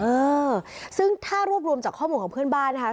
เออซึ่งถ้ารวบรวมจากข้อมูลของเพื่อนบ้านนะคะ